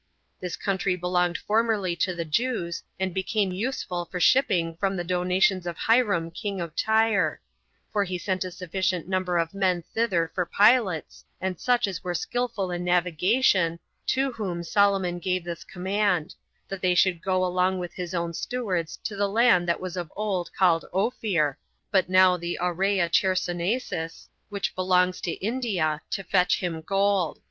This country belonged formerly to the Jews, and became useful for shipping from the donations of Hiram king of Tyre; for he sent a sufficient number of men thither for pilots, and such as were skillful in navigation, to whom Solomon gave this command: That they should go along with his own stewards to the land that was of old called Ophir, but now the Aurea Chersonesus, which belongs to India, to fetch him gold.